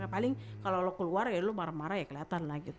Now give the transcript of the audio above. paling kalau lo keluar ya lo marah marah ya keliatan lah gitu